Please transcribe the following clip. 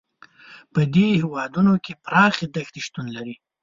په دې هېوادونو کې پراخې دښتې شتون لري.